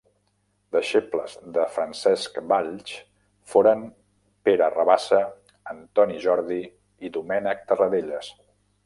Deixebles de Francesc Valls foren Pere Rabassa, Antoni Jordi i Domènec Terradelles.